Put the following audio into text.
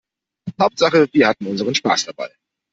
Hauptsache wir hatten unseren Spaß dabei.